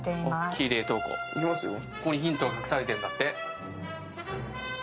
ここにヒントが隠されてるんだって。